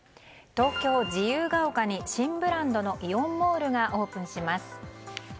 東京・自由が丘に新ブランドのイオンモールがオープンします。